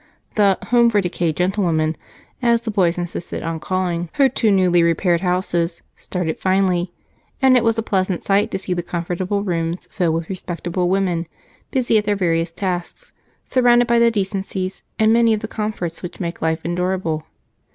The "Home for Decayed Gentlewomen," as the boys insisted on calling her two newly repaired houses, started finely and it was a pleasant sight to see the comfortable rooms filled with respectable women busy at their various tasks, surrounded by the decencies and many of the comforts which make life endurable.